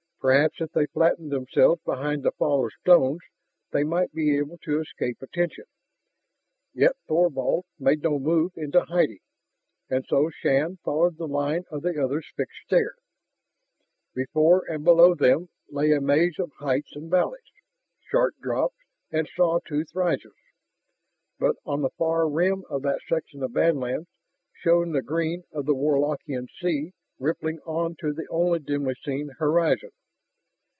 Perhaps if they flattened themselves behind the fall of stones, they might be able to escape attention. Yet Thorvald made no move into hiding. And so Shann followed the line of the other's fixed stare. Before and below them lay a maze of heights and valleys, sharp drops, and saw toothed rises. But on the far rim of that section of badlands shone the green of a Warlockian sea rippling on to the only dimly seen horizon.